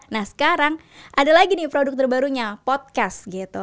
nah sekarang ada lagi nih produk terbarunya podcast gitu